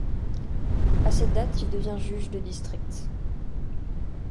À cette date, il devint juge de district.